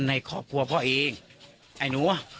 ไอนุอ๊ะ